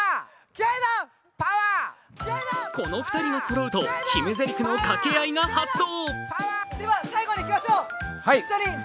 この２人がそろうと、決めぜりふの掛け合いが発動。